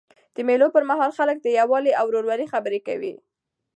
د مېلو پر مهال خلک د یووالي او ورورولۍ خبري کوي.